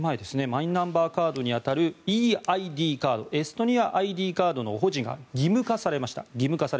マイナンバーカードに当たるｅＩＤカードエストニアＩＤカードの保持が義務化されました。